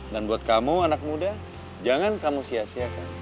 dan buat kamu anak muda jangan kamu sia siakan